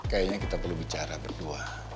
kayaknya kita perlu bicara berdua